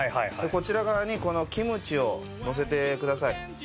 こちら側にこのキムチをのせてください。